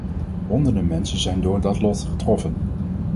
Honderden mensen zijn door dat lot getroffen.